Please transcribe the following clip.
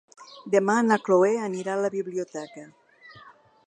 Demà na Cloè anirà a la biblioteca.